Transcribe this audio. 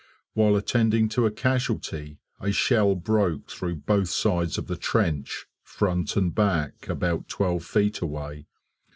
While attending to a casualty, a shell broke through both sides of the trench, front and back, about twelve feet away.